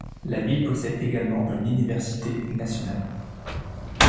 La ville possède également une université nationale.